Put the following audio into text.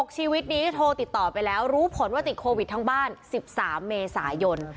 ชีวิตนี้โทรติดต่อไปแล้วรู้ผลว่าติดโควิดทั้งบ้าน๑๓เมษายน